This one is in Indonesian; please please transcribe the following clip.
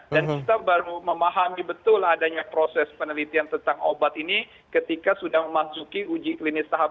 dan kita baru memahami betul adanya proses penelitian tentang obat ini ketika sudah memasuki uji klinis tahap tiga